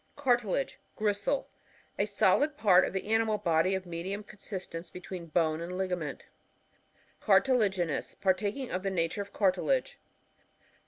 Cartilage. — Gristle. A solid part of the animal body of medium con sistence between bone and liga* ment Cartilaginous. — Partaking of the nature of cartilage.